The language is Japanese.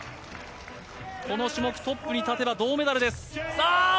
この種目トップに立てば銅メダル。